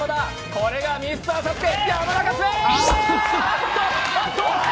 これがミスターＳＡＳＵＫＥ。